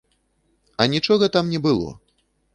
А нічога там не было!